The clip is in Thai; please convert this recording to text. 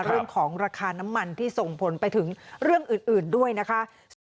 เรื่องของราคาน้ำมันที่ส่งผลไปถึงเรื่องอื่นด้วยนะคะ